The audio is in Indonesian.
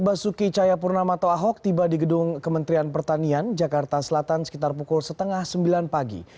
basuki cahayapurnamato ahok tiba di gedung kementerian pertanian jakarta selatan sekitar pukul setengah sembilan pagi